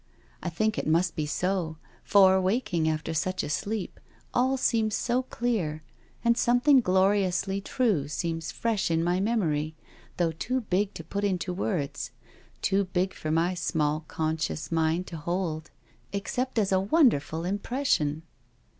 I think it must be so, for, waking after such a sleep, all seems so clear, and something gloriously true seems fresh in my memory, though too big to put into words — too big for my small, conscious mind to hold, except as a wonderful impression.